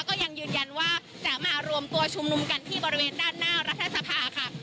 ก็ยังยืนยันว่าจะมารวมตัวชุมนุมกันที่บริเวณด้านหน้ารัฐสภาค่ะ